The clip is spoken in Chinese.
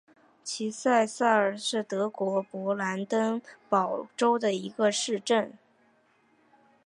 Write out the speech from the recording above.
齐埃萨尔是德国勃兰登堡州的一个市镇。